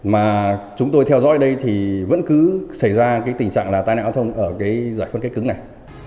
mà chúng tôi theo dõi ở đây thì vẫn cứ xảy ra cái tình trạng là tai nạn giao thông ở cái giải phân cách cứng này